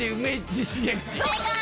正解！